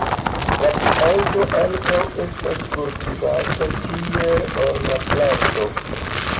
La planto ankaŭ estas kultivata kiel ornamplanto.